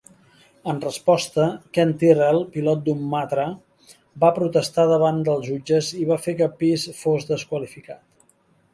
En resposta, Ken Tyrrell, pilot d'un Matra, va protestar davant dels jutges i va fer que Pease fos desqualificat.